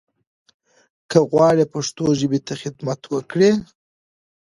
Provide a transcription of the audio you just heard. که غواړٸ پښتو ژبې ته خدمت وکړٸ